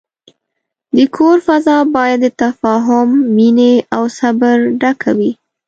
د کور فضا باید د تفاهم، مینې، او صبر ډکه وي.